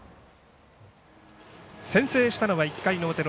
先制したのは１回表の